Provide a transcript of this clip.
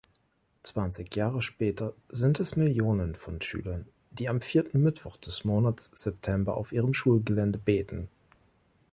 Zwanzig Jahre später sind es Millionen von Schülern, die am vierten Mittwoch des Monats September auf ihrem Schulgelände beten.